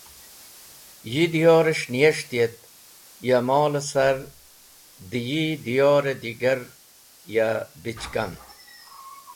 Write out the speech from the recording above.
Yi diyores̃h niyes̃hti et ya mol-e sar da yi diyor-e digar ya bichkam.